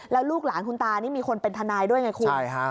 แล้วลูกหลานคุณตานี่มีคนเป็นทนายด้วยไงคุณ